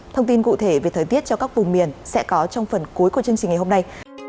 thông tin cụ thể về thời tiết cho các vùng miền sẽ có trong phần cuối của chương trình ngày hôm nay